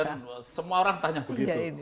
dan semua orang tanya begitu